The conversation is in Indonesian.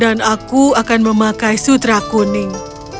dan aku akan memakai sutra kuning